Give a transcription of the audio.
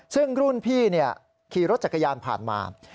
ซึ่งรุ่นพี่ขี่รถจักรยานผ่านมา